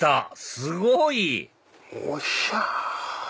すごい！おひゃ！